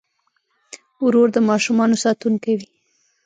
ورور د ماشومانو ساتونکی وي.